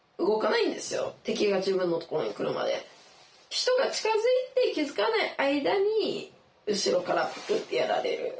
人が近付いて気付かない間に後ろからグッてやられる。